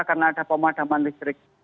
karena ada pemadaman listrik